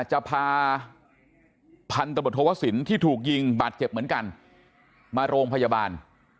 จะพาพันธบทโทวสินที่ถูกยิงบาดเจ็บเหมือนกันมาโรงพยาบาล